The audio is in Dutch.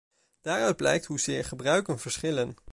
Daaruit blijkt hoezeer gebruiken verschillen.